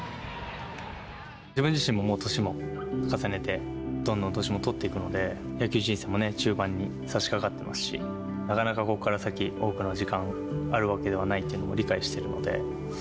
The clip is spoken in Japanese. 自分自身も、もう年も重ねて、どんどん年も取っていくので、野球人生も中盤にさしかかっていますし、なかなかここから先、多くの時間があるわけではないっていうのも理解しているので。